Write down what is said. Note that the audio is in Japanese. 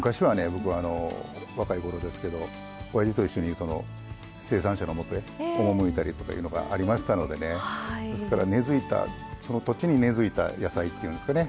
僕若い頃ですけどおやじと一緒に生産者のもとへ赴いたりとかいうのがありましたのでねですからその土地に根づいた野菜っていうんですかね。